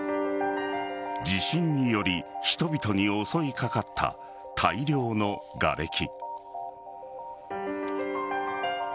地震により人々に襲いかかった大量のがれき。